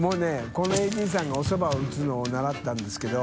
このＡＤさんがおそばを打つのを習ったんですけど。